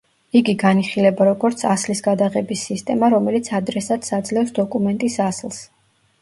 იგი განიხილება როგორც ასლის გადაღების სისტემა, რომელიც ადრესატს აძლევს დოკუმენტის ასლს.